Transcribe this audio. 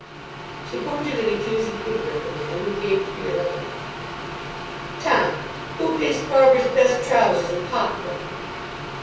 She pointed an accusing finger at the man, who gaped beerily. "Tom, who pinched farver's best trousers, and popped them?"